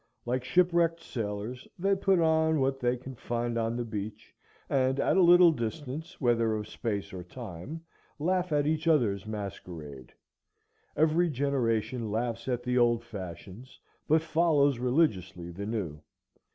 Like shipwrecked sailors, they put on what they can find on the beach, and at a little distance, whether of space or time, laugh at each other's masquerade. Every generation laughs at the old fashions, but follows religiously the new.